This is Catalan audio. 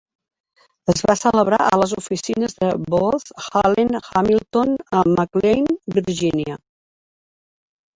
Es va celebrar a les oficines de Booz Allen Hamilton a McLean, Virginia.